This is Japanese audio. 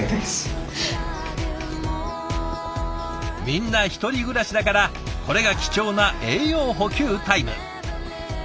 みんな１人暮らしだからこれが貴重な栄養補給タイム。